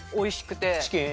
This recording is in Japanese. チキン？